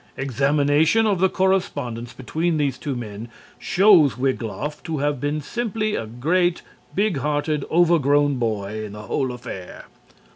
Examination of the correspondence between these two men shows Wiglaf to have been simply a great, big hearted, overgrown boy in the whole affair.